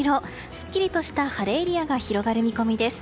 すっきりとした晴れエリアが広がる見込みです。